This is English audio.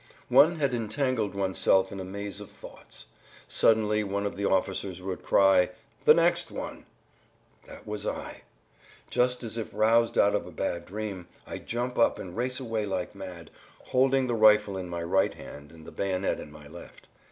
One had entangled oneself in a maze of thoughts. Suddenly one of the officers would cry, "The next one!" That was I! Just as if roused out of a bad dream, I jump up and race away like mad, holding the rifle in my right hand and the bayonet in my left.